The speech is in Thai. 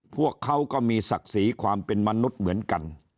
พวกเขาก็มีศักดิ์ศรีความเป็นมนุษย์เหมือนกัน